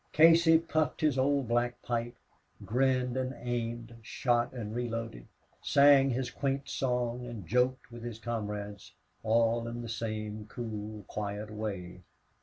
Casey puffed his old black pipe, grinned and aimed, shot and reloaded, sang his quaint song, and joked with his comrades, all in the same cool, quiet way.